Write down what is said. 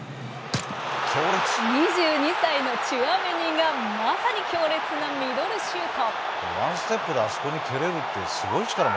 ２２歳のチュアメニがまさに強烈なミドルシュート。